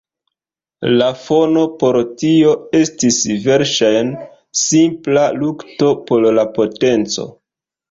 La fono por tio estis verŝajne simpla lukto por la potenco.